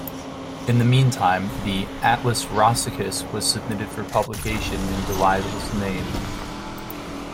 In the meantime, the "Atlas Rossicus" was submitted for publication in Delisle's name.